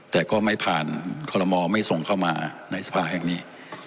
แต่ก็ไม่ผ่านคอลโมไม่ส่งเข้ามาในสภาแห่งนี้